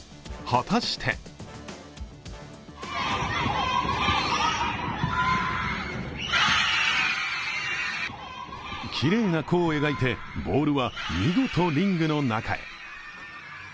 果たしてきれいな弧を描いてボールは見事リングの中へ。